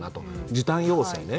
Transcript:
時短要請ね。